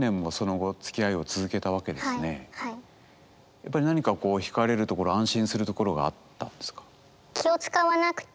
やっぱり何かこうひかれるところ安心するところがあったんですか？